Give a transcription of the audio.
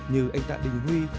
như anh tạ đình huy